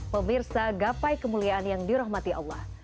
pemirsa gapai kemuliaan yang dirahmati allah